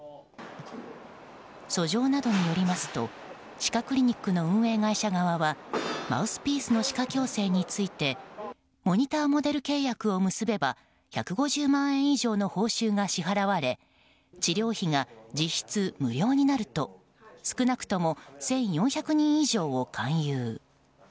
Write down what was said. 訴状などによりますと歯科クリニックの運営会社側はマウスピースの歯科矯正についてモニターモデル契約を結べば１５０万円以上の報酬が支払われ治療費が実質無料になると少なくとも１４００人以上を勧誘。